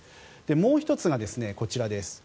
もう１つがこちらです。